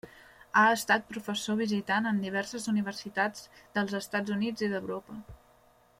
Ha estat professor visitant en diverses universitats dels Estats Units i d'Europa.